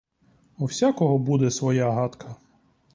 У всякого буде своя гадка.